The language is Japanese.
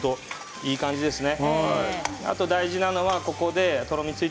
いい感じですね。